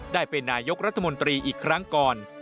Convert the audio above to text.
ได้เป็นนายกรัฐมนตรีอีกครั้งก่อน